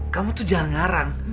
kamu tuh jangan ngarang